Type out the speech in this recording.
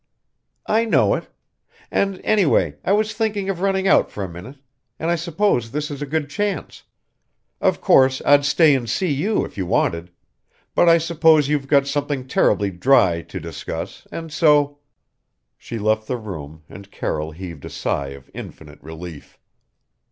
"I know it. And anyway, I was thinking of running out for a minute and I suppose this is a good chance. Of course, I'd stay and see you if you wanted but I suppose you've got something terribly dry to discuss and so " She left the room and Carroll heaved a sigh of infinite relief.